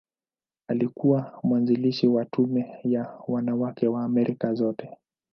Alikuwa mwanzilishi wa Tume ya Wanawake ya Amerika Zote.